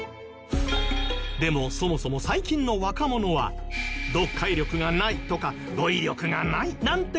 でもそもそも最近の若者は読解力がないとか語彙力がないなんて事もいわれてますよね